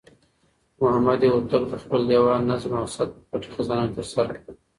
محمد هوتک د خپل دېوان نظم او ثبت په پټه خزانه کې ترسره کړ.